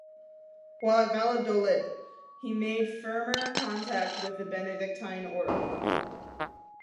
While at Valladolid he make firmer contact with the Benedictine Order.